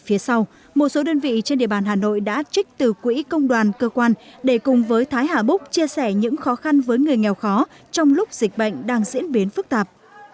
phía sau một số đơn vị trên địa bàn hà nội đã trích từ quỹ công đoàn cơ quan để cùng với thái hà búc chia sẻ những khó khăn với người nghèo khó trong lúc dịch bệnh đang diễn biến phức tạp